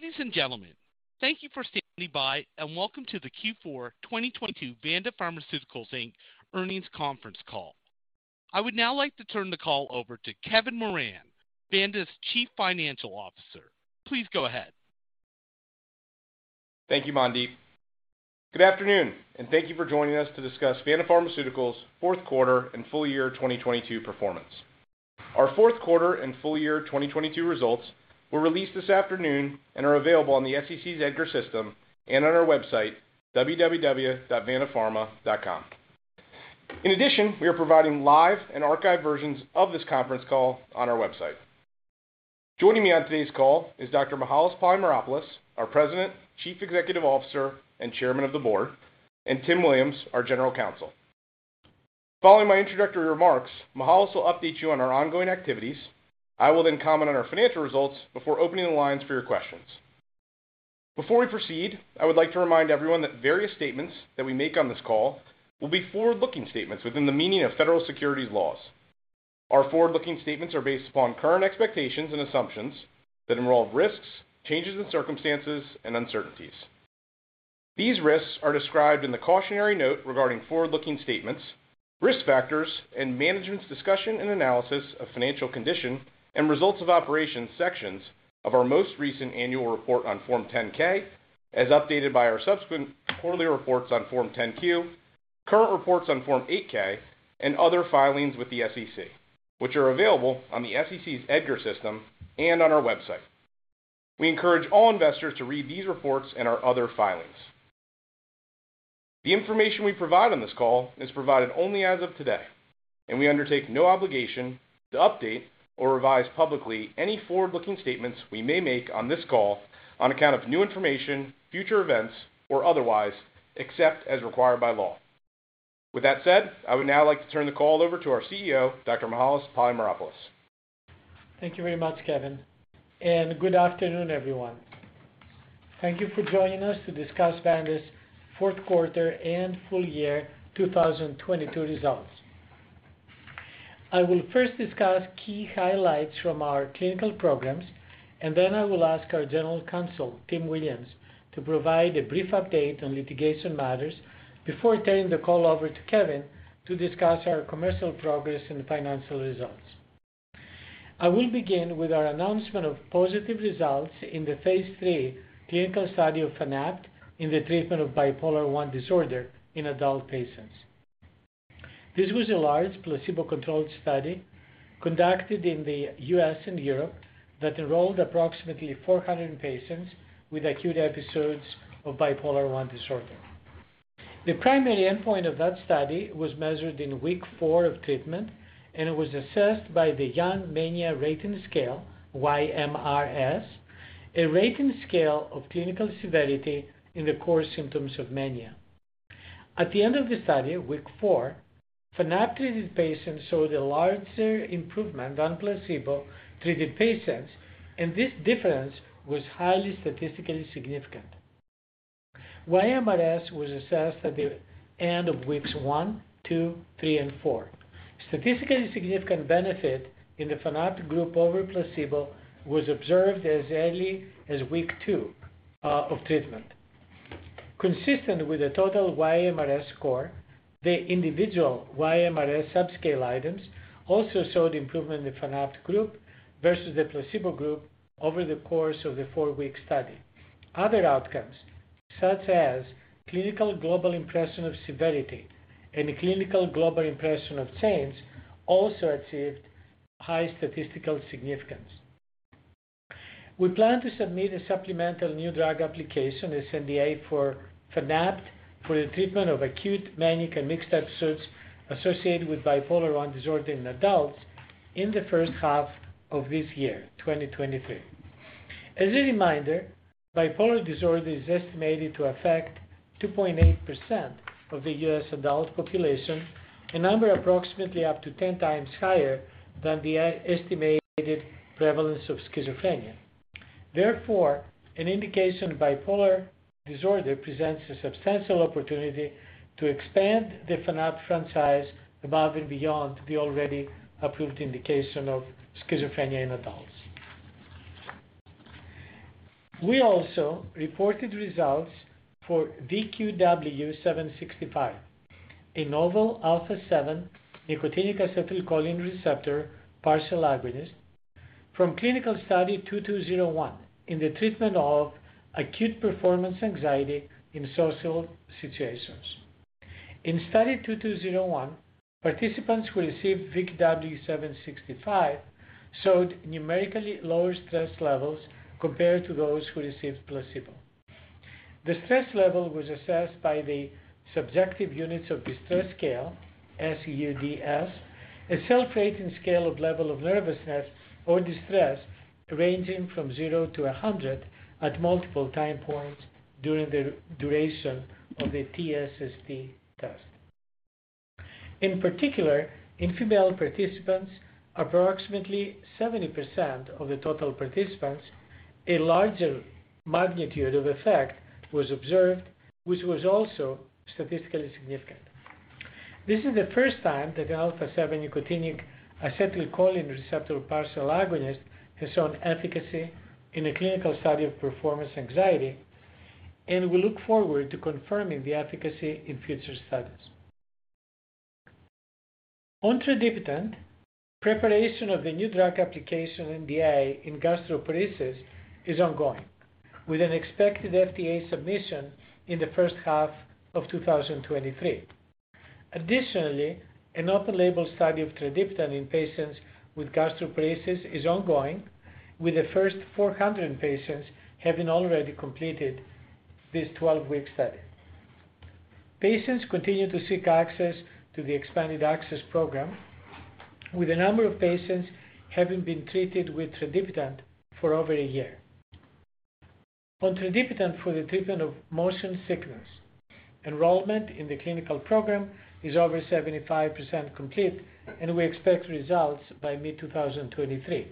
Ladies and gentlemen, thank you for standing by, and welcome to the Q4 2022 Vanda Pharmaceuticals Inc earnings conference call. I would now like to turn the call over to Kevin Moran, Vanda's Chief Financial Officer. Please go ahead. Thank you, Mandy. Good afternoon, and thank you for joining us to discuss Vanda Pharmaceuticals fourth quarter and full year 2022 performance. Our fourth quarter and full year 2022 results were released this afternoon and are available on the SEC's EDGAR system and on our website www.vandapharma.com. In addition, we are providing live and archived versions of this conference call on our website. Joining me on today's call is Dr. Mihael Polymeropoulos, our President, Chief Executive Officer, and Chairman of the Board, and Tim Williams, our General Counsel. Following my introductory remarks, Mihael will update you on our ongoing activities. I will then comment on our financial results before opening the lines for your questions. Before we proceed, I would like to remind everyone that various statements that we make on this call will be forward-looking statements within the meaning of federal securities laws. Our forward-looking statements are based upon current expectations and assumptions that involve risks, changes in circumstances, and uncertainties. These risks are described in the cautionary note regarding forward-looking statements, risk factors, and management's discussion and analysis of financial condition and results of operations sections of our most recent annual report on Form 10-K, as updated by our subsequent quarterly reports on Form 10-Q, current reports on Form 8-K and other filings with the SEC, which are available on the SEC's EDGAR system and on our website. We encourage all investors to read these reports and our other filings. The information we provide on this call is provided only as of today, and we undertake no obligation to update or revise publicly any forward-looking statements we may make on this call on account of new information, future events, or otherwise, except as required by law. With that said, I would now like to turn the call over to our CEO, Dr. Mihael Polymeropoulos. Thank you very much, Kevin, good afternoon, everyone. Thank you for joining us to discuss Vanda's fourth quarter and full year 2022 results. I will first discuss key highlights from our clinical programs, then I will ask our General Counsel, Tim Williams, to provide a brief update on litigation matters before turning the call over to Kevin to discuss our commercial progress and financial results. I will begin with our announcement of positive results in the phase III clinical study of Fanapt in the treatment of bipolar I disorder in adult patients. This was a large placebo-controlled study conducted in the U.S. and Europe that enrolled approximately 400 patients with acute episodes of bipolar I disorder. The primary endpoint of that study was measured in week four of treatment, and it was assessed by the Young Mania Rating Scale, YMRS, a rating scale of clinical severity in the core symptoms of mania. At the end of the study, week four, Fanapt-treated patients showed a larger improvement on placebo-treated patients, and this difference was highly statistically significant. YMRS was assessed at the end of weeks one, two, three, and four. Statistically significant benefit in the Fanapt group over placebo was observed as early as week two of treatment. Consistent with the total YMRS score, the individual YMRS subscale items also showed improvement in Fanapt group versus the placebo group over the course of the four-week study. Other outcomes, such as Clinical Global Impression of Severity and Clinical Global Impression of Change, also achieved high statistical significance. We plan to submit a supplemental new drug application, a SNDA for Fanapt for the treatment of acute manic and mixed episodes associated with bipolar I disorder in adults in the first half of this year, 2023. As a reminder, bipolar disorder is estimated to affect 2.8% of the U.S. adult population, a number approximately up to 10 times higher than the estimated prevalence of schizophrenia. Therefore, an indication bipolar disorder presents a substantial opportunity to expand the Fanapt franchise above and beyond the already approved indication of schizophrenia in adults. We also reported results for VQW-765, a novel alpha-7 nicotinic acetylcholine receptor partial agonist from clinical study 2201 in the treatment of acute performance anxiety in social situations. In study 2201, participants who received VQW-765 showed numerically lower stress levels compared to those who received placebo. The stress level was assessed by the Subjective Units of Distress Scale, SUDS, a self-rating scale of level of nervousness or distress ranging from zero to 100 at multiple time points during the duration of the TSST test. In particular, in female participants, approximately 70% of the total participants, a larger magnitude of effect was observed, which was also statistically significant. This is the first time that the alpha-7 nicotinic acetylcholine receptor partial agonist has shown efficacy in a clinical study of performance anxiety. We look forward to confirming the efficacy in future studies. On tradipitant, preparation of the new drug application NDA in gastroparesis is ongoing, with an expected FDA submission in the first half of 2023. Additionally, an open-label study of tradipitant in patients with gastroparesis is ongoing, with the first 400 patients having already completed this 12-week study. Patients continue to seek access to the expanded access program, with a number of patients having been treated with tradipitant for over a year. On tradipitant for the treatment of motion sickness, enrollment in the clinical program is over 75% complete, we expect results by mid-2023.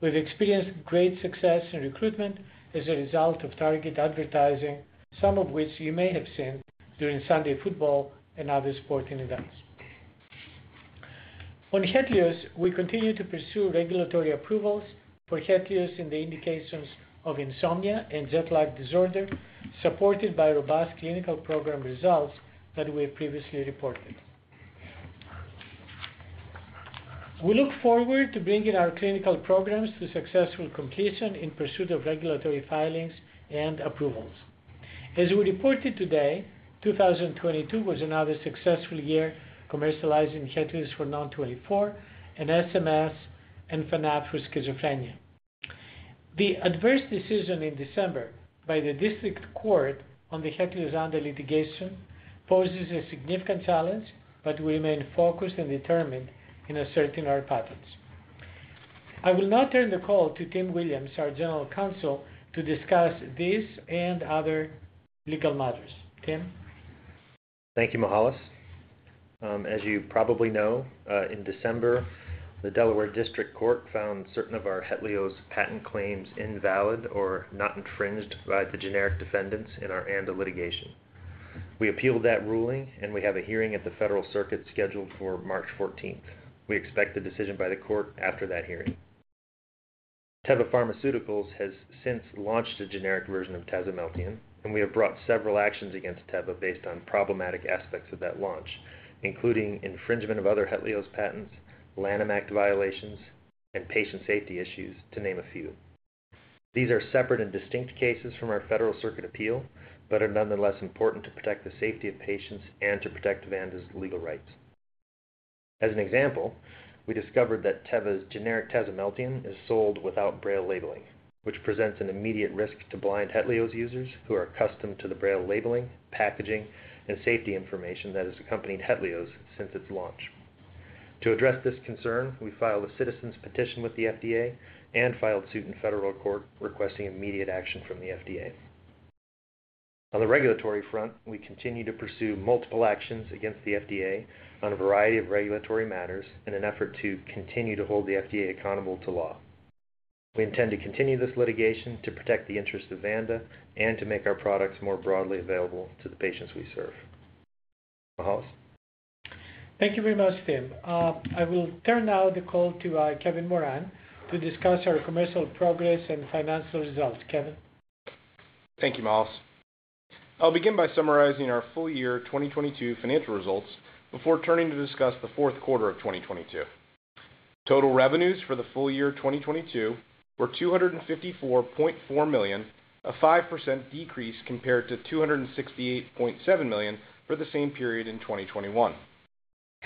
We've experienced great success in recruitment as a result of target advertising, some of which you may have seen during Sunday football and other sporting events. On HETLIOZ, we continue to pursue regulatory approvals for HETLIOZ in the indications of insomnia and jet lag disorder, supported by robust clinical program results that we have previously reported. We look forward to bringing our clinical programs to successful completion in pursuit of regulatory filings and approvals. As we reported today, 2022 was another successful year commercializing HETLIOZ for Non-24 and SMS and Fanapt for schizophrenia. The adverse decision in December by the District Court on the HETLIOZ ANDA litigation poses a significant challenge, but we remain focused and determined in asserting our patents. I will now turn the call to Tim Williams, our General Counsel, to discuss this and other legal matters. Tim. Thank you, Mihael. As you probably know, in December, the Delaware District Court found certain of our HETLIOZ patent claims invalid or not infringed by the generic defendants in our ANDA litigation. We appealed that ruling. We have a hearing at the Federal Circuit scheduled for March 14th. We expect a decision by the court after that hearing. Teva Pharmaceuticals has since launched a generic version of tasimelteon. We have brought several actions against Teva based on problematic aspects of that launch, including infringement of other HETLIOZ patents, Lanham Act violations, and patient safety issues, to name a few. These are separate and distinct cases from our Federal Circuit appeal, but are nonetheless important to protect the safety of patients and to protect Vanda's legal rights. As an example, we discovered that Teva's generic tasimelteon is sold without braille labeling, which presents an immediate risk to blind HETLIOZ users who are accustomed to the braille labeling, packaging, and safety information that has accompanied HETLIOZ since its launch. To address this concern, we filed a citizen petition with the FDA and filed suit in federal court requesting immediate action from the FDA. On the regulatory front, we continue to pursue multiple actions against the FDA on a variety of regulatory matters in an effort to continue to hold the FDA accountable to law. We intend to continue this litigation to protect the interests of Vanda and to make our products more broadly available to the patients we serve. Mihael? Thank you very much, Tim. I will turn now the call to Kevin Moran to discuss our commercial progress and financial results. Kevin? Thank you, Mihael. I'll begin by summarizing our full year 2022 financial results before turning to discuss the fourth quarter of 2022. Total revenues for the full year 2022 were $254.4 million, a 5% decrease compared to $268.7 million for the same period in 2021.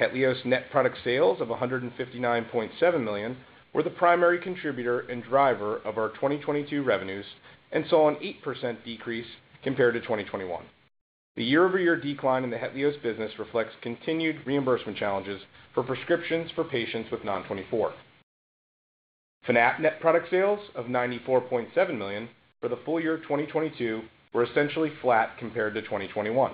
HETLIOZ net product sales of $159.7 million were the primary contributor and driver of our 2022 revenues and saw an 8% decrease compared to 2021. The year-over-year decline in the HETLIOZ business reflects continued reimbursement challenges for prescriptions for patients with Non-24. Fanapt net product sales of $94.7 million for the full year of 2022 were essentially flat compared to 2021.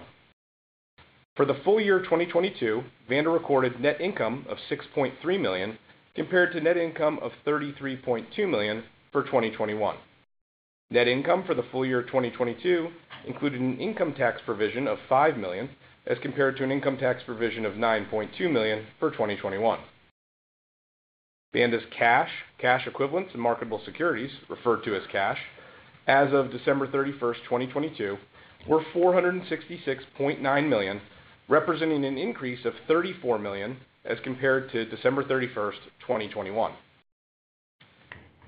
For the full year of 2022, Vanda recorded net income of $6.3 million compared to net income of $33.2 million for 2021. Net income for the full year of 2022 included an income tax provision of $5 million as compared to an income tax provision of $9.2 million for 2021. Vanda's cash, cash equivalents and marketable securities, referred to as cash, as of December 31st, 2022, were $466.9 million, representing an increase of $34 million as compared to December 31st, 2021.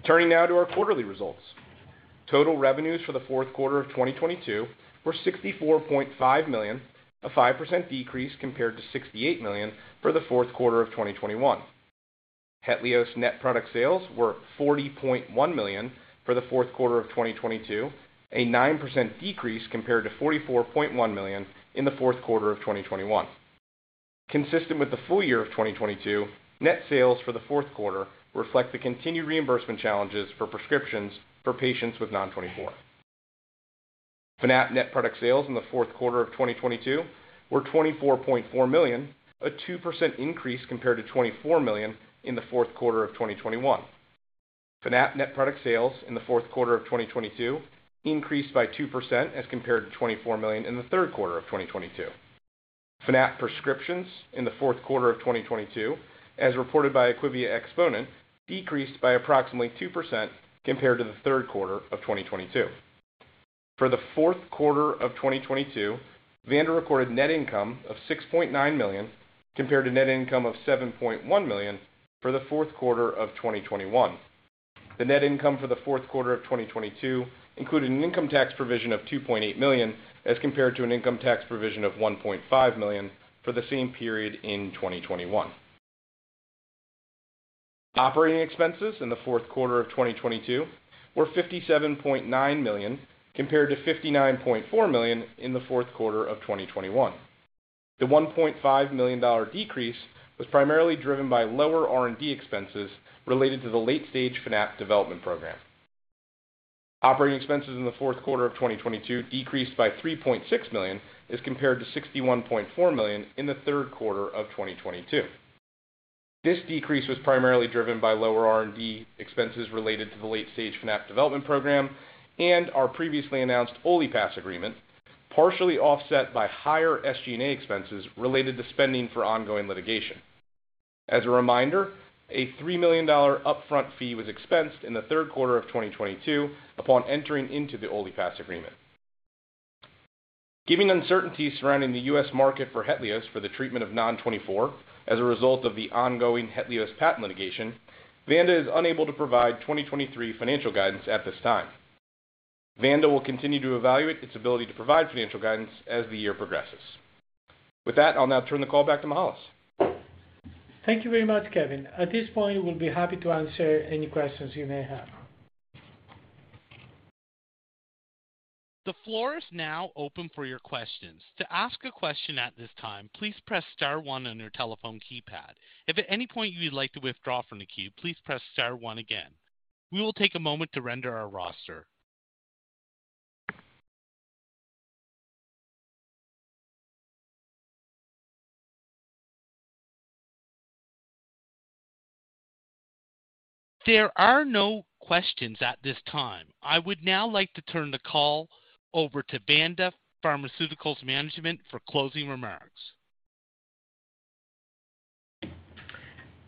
Turning now to our quarterly results. Total revenues for the fourth quarter of 2022 were $64.5 million, a 5% decrease compared to $68 million for the fourth quarter of 2021. HETLIOZ net product sales were $40.1 million for the fourth quarter of 2022, a 9% decrease compared to $44.1 million in the fourth quarter of 2021. Consistent with the full year of 2022, net sales for the fourth quarter reflect the continued reimbursement challenges for prescriptions for patients with Non-24. Fanapt net product sales in the fourth quarter of 2022 were $24.4 million, a 2% increase compared to $24 million in the fourth quarter of 2021. Fanapt net product sales in the fourth quarter of 2022 increased by 2% as compared to $24 million in the third quarter of 2022. Fanapt prescriptions in the fourth quarter of 2022, as reported by IQVIA Xponent, decreased by approximately 2% compared to the third quarter of 2022. For the fourth quarter of 2022, Vanda recorded net income of $6.9 million compared to net income of $7.1 million for the fourth quarter of 2021. The net income for the fourth quarter of 2022 included an income tax provision of $2.8 million as compared to an income tax provision of $1.5 million for the same period in 2021. Operating expenses in the fourth quarter of 2022 were $57.9 million compared to $59.4 million in the fourth quarter of 2021. The $1.5 million decrease was primarily driven by lower R&D expenses related to the late-stage Fanapt development program. Operating expenses in the fourth quarter of 2022 decreased by $3.6 million as compared to $61.4 million in the third quarter of 2022. This decrease was primarily driven by lower R&D expenses related to the late-stage Fanapt development program and our previously announced OliPass agreement, partially offset by higher SG&A expenses related to spending for ongoing litigation. As a reminder, a $3 million upfront fee was expensed in the third quarter of 2022 upon entering into the OliPass agreement. Given uncertainties surrounding the U.S. market for HETLIOZ for the treatment of Non-24 as a result of the ongoing HETLIOZ patent litigation, Vanda is unable to provide 2023 financial guidance at this time. Vanda will continue to evaluate its ability to provide financial guidance as the year progresses. With that, I'll now turn the call back to Mihael. Thank you very much, Kevin. At this point, we'll be happy to answer any questions you may have. The floor is now open for your questions. To ask a question at this time, please press star one on your telephone keypad. If at any point you would like to withdraw from the queue, please press star one again. We will take a moment to render our roster. There are no questions at this time. I would now like to turn the call over to Vanda Pharmaceuticals management for closing remarks.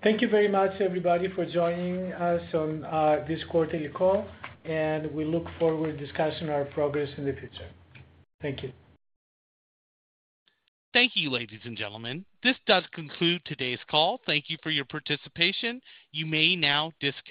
Thank you very much, everybody, for joining us on this quarterly call. We look forward to discussing our progress in the future. Thank you. Thank you, ladies and gentlemen. This does conclude today's call. Thank you for your participation. You may now disconnect.